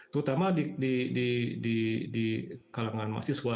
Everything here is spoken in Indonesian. terutama di kalangan mahasiswa